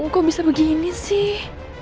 kok bisa begini sih